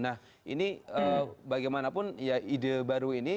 nah ini bagaimanapun ya ide baru ini